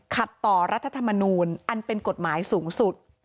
ขัดต่อรัฐธรรมนูลอันเป็นกฎหมายสูงสุด